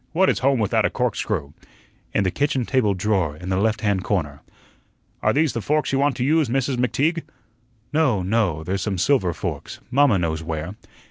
What is home without a corkscrew?" "In the kitchen table drawer, in the left hand corner." "Are these the forks you want to use, Mrs. McTeague?" "No, no, there's some silver forks. Mamma knows where."